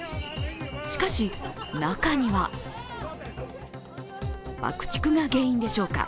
しかし、中には爆竹が原因でしょうか。